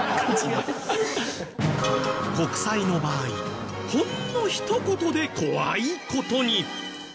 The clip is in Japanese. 国債の場合ほんの一言で怖い事に！